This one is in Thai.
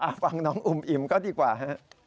เอาฟังน้องอุ่มอิ่มก็ดีกว่าฮะ